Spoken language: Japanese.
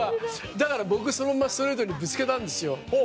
だから僕そのままストレートにぶつけたんですよ。